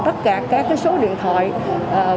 tất cả các số điện thoại